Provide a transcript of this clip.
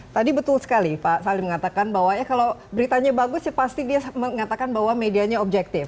tadi betul sekali pak salim mengatakan bahwa ya kalau beritanya bagus ya pasti dia mengatakan bahwa medianya objektif